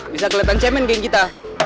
bisa kelihatan cemen geng kita